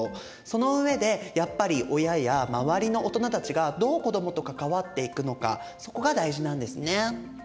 そのうえでやっぱり親や周りの大人たちがどう子どもと関わっていくのかそこが大事なんですね。